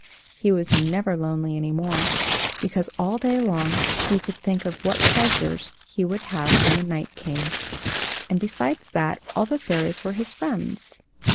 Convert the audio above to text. He was never lonely any more, because all day long he could think of what pleasure he would have when the night came; and, besides that, all the fairies were his friends.